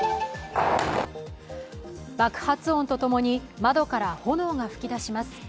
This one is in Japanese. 爆発音とともに窓から炎が噴き出します。